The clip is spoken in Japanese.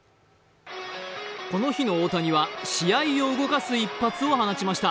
この日の大谷は試合を動かす一発を放ちました。